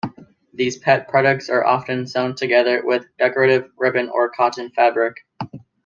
These pet products are often sewn together with decorative ribbon or cotton fabric.